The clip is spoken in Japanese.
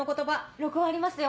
録音ありますよ。